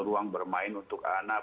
ruang bermain untuk anak